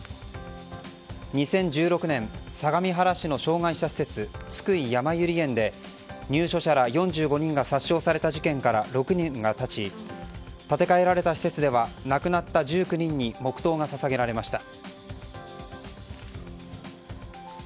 ２０１６年相模原市の障害者施設津久井やまゆり園で入所者ら４５人が殺傷された事件から６年が経ち建て替えられた施設では亡くなった１９人に黙祷が捧げられました。